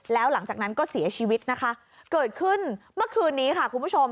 แล้วหลังจากนั้นก็เสียชีวิตนะคะเกิดขึ้นเมื่อคืนนี้ค่ะคุณผู้ชม